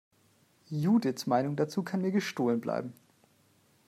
Judiths Meinung dazu kann mir gestohlen bleiben!